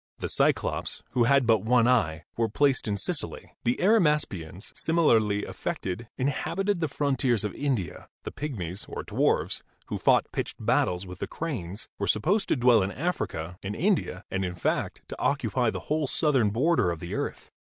The Cyclops, who had but one eye, were placed in Sicily; the Arimaspians, similarly afflicted, in habited the frontiers of India; the pigmies, or dwarfs, who fought pitched battles with the cranes, were supposed to dwell in Africa, in India, and, in fact, to occupy the whole southern border of the earth.